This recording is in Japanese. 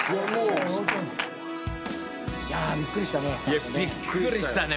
いやびっくりしたね。